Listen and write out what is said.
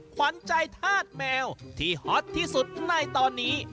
ขวัญใจธาตุแมวที่ฮอตที่สุดในตอนนี้